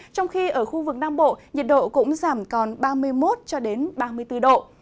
trong khi ở khu vực nam bộ nhiệt độ cũng giảm còn ba mươi một ba mươi bốn độ